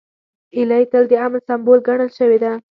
هیلۍ تل د امن سمبول ګڼل شوې ده